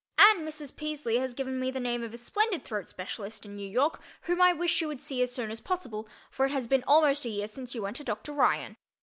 And Mrs. Peasely has given me the name of a splendid throat specialist in New York whom I wish you would see as soon as possible, for it has been almost a year since you went to Dr. Ryan.